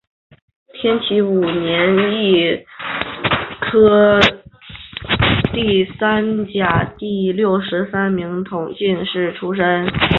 天启五年乙丑科第三甲第六十三名同进士出身。